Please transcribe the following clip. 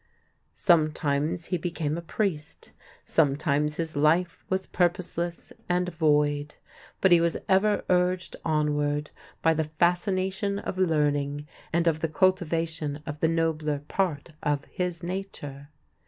Sometimes he became a priest; sometimes his life was purposeless and void. But he was ever urged onward by the fascination of learning and of the cultivation of the nobler part of his nature.